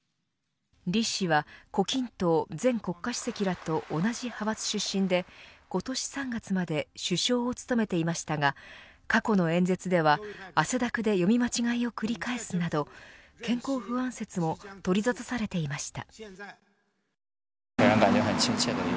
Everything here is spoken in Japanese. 李氏は、胡錦濤前国家主席らと同じ派閥出身で今年３月まで首相を務めていましたが過去の演説では汗だくで読み間違いを繰り返すなど健康不安説も取り沙汰されていました。